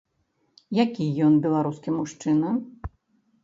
Які ён, беларускі мужчына?